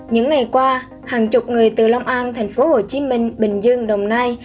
những ngày qua hàng chục người từ long an tp hcm bình dương đồng nai